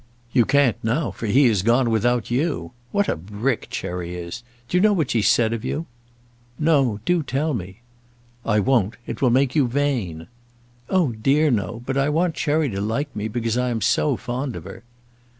"You can't now, for he has gone without you. What a brick Cherry is! Do you know what she said of you?" "No; do tell me." "I won't. It will make you vain." "Oh, dear no; but I want Cherry to like me, because I am so fond of her."